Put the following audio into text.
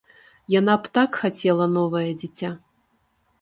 Яна б так хацела новае дзіця.